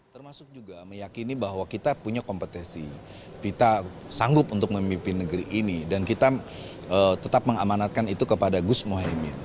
termasuk juga meyakini bahwa kita punya kompetisi kita sanggup untuk memimpin negeri ini dan kita tetap mengamanatkan itu kepada gus mohaimin